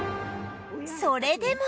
それでも